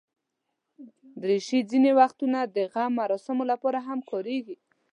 دریشي ځینې وختونه د غم مراسمو لپاره هم کارېږي.